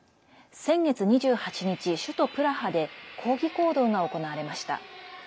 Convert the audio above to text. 先月２８日、首都プラハで抗議行動が行われました。